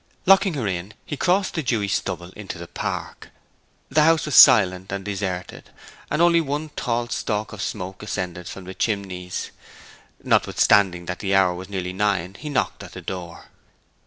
Locking her in he crossed the dewy stubble into the park. The house was silent and deserted; and only one tall stalk of smoke ascended from the chimneys. Notwithstanding that the hour was nearly nine he knocked at the door.